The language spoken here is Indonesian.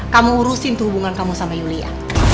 kamu urusin tuh hubungan kamu sama yulia